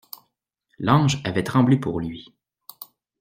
L'ange avait tremblé pour lui.